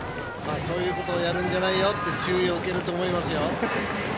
そういうことをやるんじゃないよって注意を受けると思いますよ。